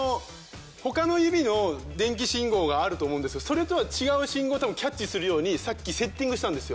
他の指の電気信号があると思うんですけどそれとは違う信号をキャッチするようにさっきセッティングしたんです。